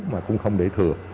mà cũng không để thiếu